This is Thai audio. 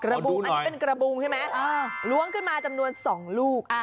ระบุอันนี้เป็นกระบุงใช่ไหมล้วงขึ้นมาจำนวน๒ลูก